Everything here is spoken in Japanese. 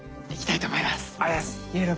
はい。